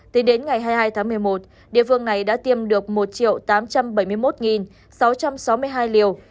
tính đến ngày hai mươi hai tháng một mươi một địa phương này đã tiêm được một tám trăm bảy mươi một sáu trăm sáu mươi hai liều